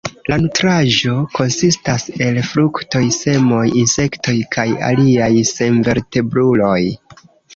La nutraĵo konsistas el fruktoj, semoj, insektoj kaj aliaj senvertebruloj.